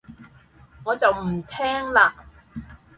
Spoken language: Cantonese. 我就唔聽喇